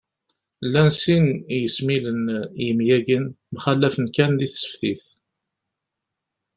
Llan sin n yesmilen n yemyagen, mxallafen kan di tseftit